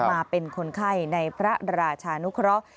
มาเป็นคนไข้ในพระราชานุเคราะห์